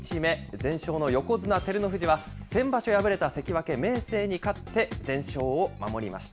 全勝の横綱・照ノ富士は、先場所敗れた関脇・明生に勝って、全勝を守りました。